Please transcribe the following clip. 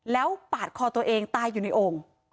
แล้วปาดคอตัวเองตายอยู่ในโอ่ง